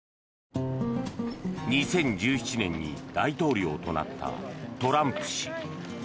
２０１７年に大統領となったトランプ氏。